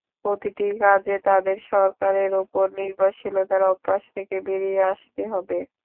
প্রতিটি কাজে তাদের সরকারের ওপর নির্ভরশীলতার অভ্যাস থেকে বেরিয়ে আসতে হবে।